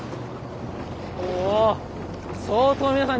おお相当皆さん